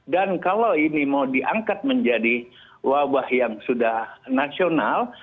dan kalau ini mau diangkat menjadi wabah yang sudah nasional